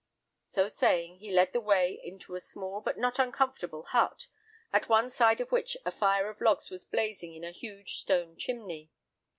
So saying, he led the way to a small but not uncomfortable hut, at one side of which a fire of logs was blazing in a huge stone chimney.